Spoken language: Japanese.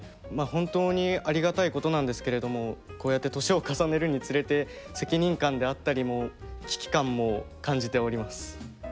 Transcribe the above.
本当にありがたいことなんですけれどもこうやって年を重ねるにつれて責任感であったりも危機感も感じております。